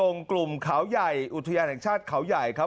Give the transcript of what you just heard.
กลุ่มเขาใหญ่อุทยานแห่งชาติเขาใหญ่ครับ